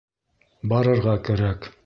Барырға кәрәк...